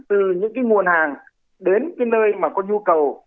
từ những nguồn hàng đến nơi có nhu cầu